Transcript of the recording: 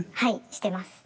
してます。